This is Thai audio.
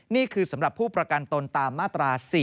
นี่คือสำหรับผู้ประกันตนตามมาตรา๔๔